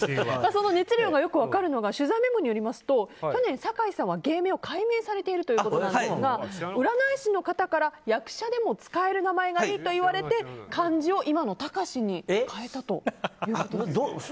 その熱量がよく分かるのが取材メモによりますと去年、酒井さんは芸名を改名されているということですが占い師の方から、役者でも使える名前がいいと言われて漢字を今の貴士に変えたということです。